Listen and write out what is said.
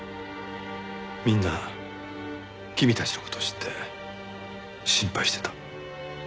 みんな君たちの事を知って心配してた。